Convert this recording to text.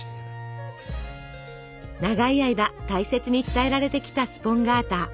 長い間大切に伝えられてきたスポンガータ。